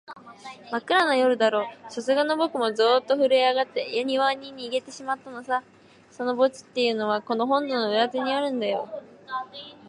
まっくらな夜だろう、さすがのぼくもゾーッとふるえあがって、やにわに逃げだしてしまったのさ。その墓地っていうのは、この本堂の裏手にあるんだよ。